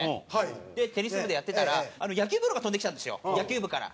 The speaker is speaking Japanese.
でテニス部でやってたら野球ボールが飛んできたんですよ野球部から。